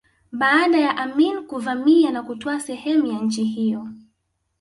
Baada ya Amin kuvamia na kutwaa sehemu ya nchi hiyo